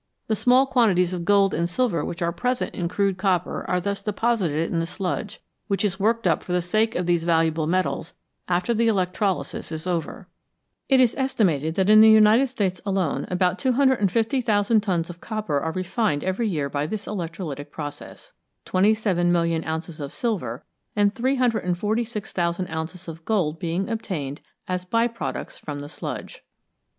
The small quantities of gold and silver which are present in crude copper are thus deposited in the sludge, which is worked up for the sake of these valuable metals after the electrolysis is over. It is estimated that in the United States alone about 250,000 tons of copper are refined every year by this electrolytic process, 27,000,000 ounces of silver, and 346,000 ounces of gold being obtained as by products from the sludge.